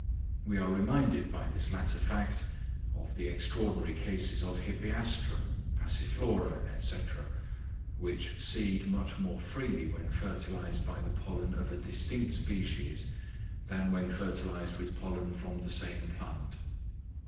We are reminded by this latter fact of the extraordinary cases of Hippeastrum, Passiflora, &c., which seed much more freely when fertilised with the pollen of a distinct species than when fertilised with pollen from the same plant.